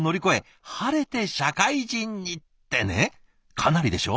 かなりでしょ？